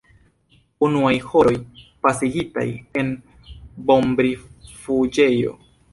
Unuaj horoj, pasigitaj en bombrifuĝejo.